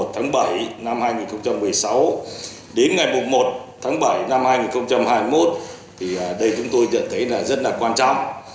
tháng bảy năm hai nghìn một mươi sáu đến ngày một tháng bảy năm hai nghìn hai mươi một thì đây chúng tôi nhận thấy là rất là quan trọng